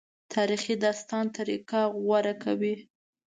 تاریخي داستان طریقه غوره کوي.